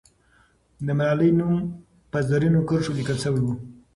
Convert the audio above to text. د ملالۍ نوم په زرینو کرښو لیکل سوی وو.